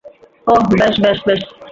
ওহ, বেশ, বেশ, বেশ।